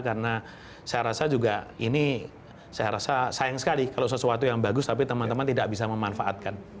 karena saya rasa juga ini saya rasa sayang sekali kalau sesuatu yang bagus tapi teman teman tidak bisa memanfaatkan